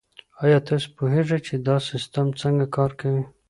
آیا تاسو پوهیږئ چي دا سیستم څنګه کار کوي؟